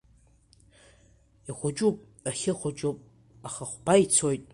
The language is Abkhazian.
Ихәыҷуп, ахьы хәыҷуп, аха хәба ицоит…